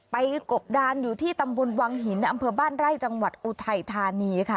กบดานอยู่ที่ตำบลวังหินอำเภอบ้านไร่จังหวัดอุทัยธานีค่ะ